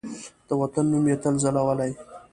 د وطن نوم یې تل ځلولی